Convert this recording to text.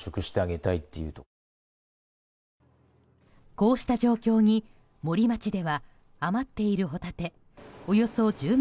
こうした状況に森町では余っているホタテおよそ１０万